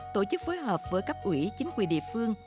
tổ chức phối hợp với cấp ủy chính quyền địa phương